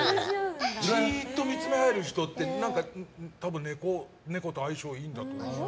じーっと見つめ合える人って多分、猫と相性がいいんだと思います。